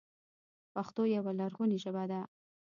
پښتو یوه لرغونې ژبه ده